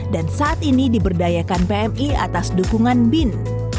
dan saat ini diberdayakan pmi atas dukungan bin